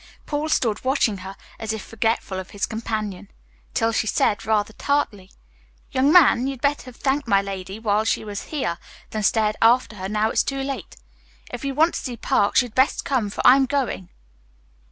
Paul stood watching her, as if forgetful of his companion, till she said, rather tartly, "Young man, you'd better have thanked my lady while she was here than stare after her now it's too late. If you want to see Parks, you'd best come, for I'm going."